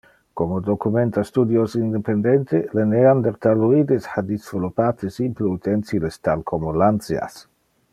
Como documenta studios independente, le Neanderthaloides ha disveloppate simple utensiles tal como lanceas.